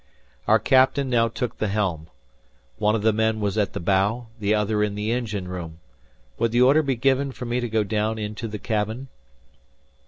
Our captain now took the helm. One of the men was at the bow, the other in the engine room. Would the order be given for me to go down into the cabin?